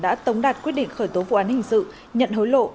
đã tống đạt quyết định khởi tố vụ án hình sự nhận hối lộ